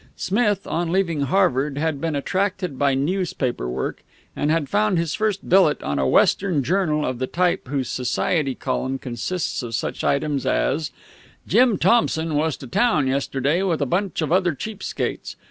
Smith, on leaving Harvard, had been attracted by newspaper work, and had found his first billet on a Western journal of the type whose society column consists of such items as "Jim Thompson was to town yesterday with a bunch of other cheap skates.